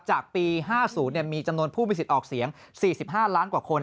จากปี๕๐มีจำนวนผู้มีสิทธิ์ออกเสียง๔๕ล้านกว่าคน